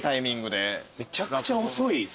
めちゃくちゃ遅いっすね。